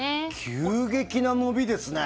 急激な伸びですね。